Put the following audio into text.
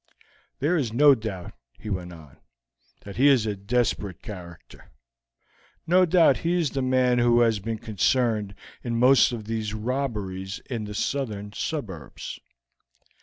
"There is no doubt," he went on, "that he is a desperate character. No doubt he is the man who has been concerned in most of these robberies in the southern suburbs.